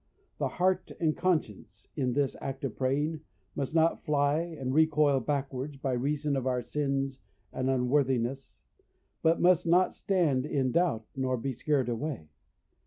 The heart and conscience, in this act of praying, must not fly and recoil backwards by reason of our sins and unworthiness, and must not stand in doubt, nor be scared away.